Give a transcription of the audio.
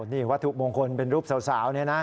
นี่วัตถุมงคลเป็นรูปสาวนี่นะ